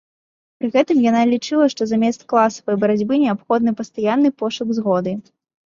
Пры гэтым яна лічыла, што замест класавай барацьбы неабходны пастаянны пошук згоды.